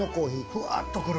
ふわっとくる？